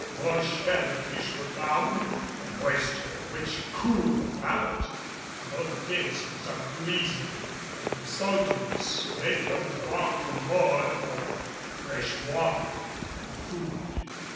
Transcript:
More shell fish were found, the moisture of which cooled the palate, though the taste was unpleasing, and the saltiness made one long the more for fresh water and food.